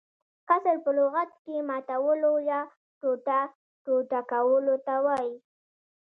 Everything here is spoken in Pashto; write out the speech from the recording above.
کسر په لغت کښي ماتولو يا ټوټه - ټوټه کولو ته وايي.